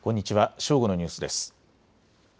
正午のニュースです。